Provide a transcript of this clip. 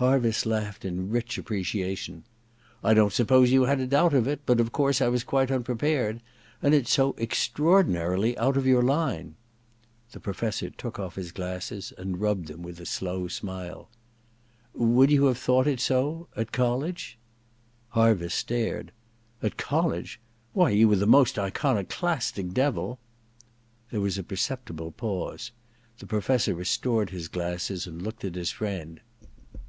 Harviss laughed in rich appreciation. ^I don't suppose you had a doubt of it ; but of course I was quite unprepared. And it's so extraordinarily out of your line ' The Professor took off his glasses and rubbed them with a slow smile. ^ Would you have thought it so — at college ?' Harviss stared. *At college? — ^Why, you were the most iconoclastic devil ' There was a perceptible pause. The Professor 14 THE DESCENT OF MAN ii restored his glasses and looked at his friend.